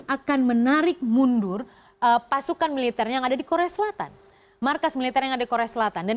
akan menarik mundur pasukan militernya yang ada di korea serikat